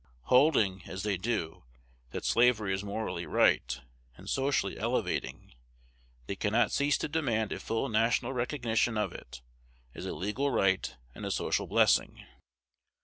Holding, as they do, that slavery is morally right, and socially elevating, they cannot cease to demand a full national recognition of it, as a legal right and a social blessing.